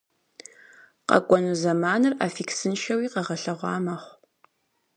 Къэкӏуэну зэманыр аффиксыншэуи къэгъэлъэгъуа мэхъу.